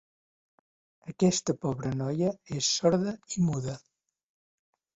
Aquesta pobra noia és sorda i muda.